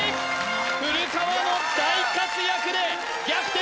古川の大活躍で逆転